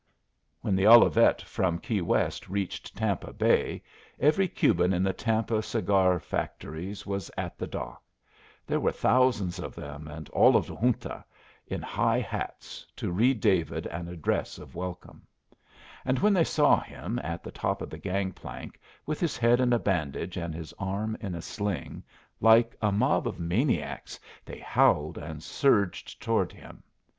When the Olivette from Key West reached Tampa Bay every Cuban in the Tampa cigar factories was at the dock. There were thousands of them and all of the Junta, in high hats, to read David an address of welcome. [Illustration: She dug the shapeless hat into David's shoulder.] And, when they saw him at the top of the gang plank with his head in a bandage and his arm in a sling, like a mob of maniacs they howled and surged toward him.